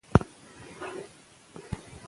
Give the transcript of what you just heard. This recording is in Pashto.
که موږ ښوونه په پښتو وکړو، نو ستونزې به کمې سي.